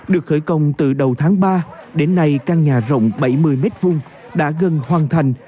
được khởi công từ đầu tháng ba đến nay căn nhà rộng bảy mươi m hai đã gần hoàn thành